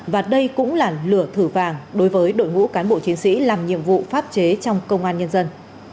và đây cũng là lửa thử vàng đối với đội ngũ cán bộ chiến sĩ làm nhiệm vụ pháp chế trong công an nhân dân